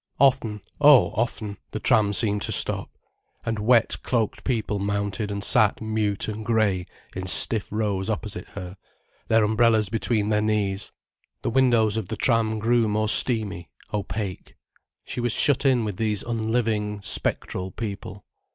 Often, oh often the tram seemed to stop, and wet, cloaked people mounted and sat mute and grey in stiff rows opposite her, their umbrellas between their knees. The windows of the tram grew more steamy; opaque. She was shut in with these unliving, spectral people.